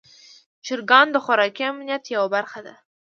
چرګان د خوراکي امنیت یوه برخه دي.